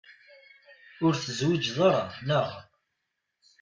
Ur tezwiǧeḍ ara, neɣ?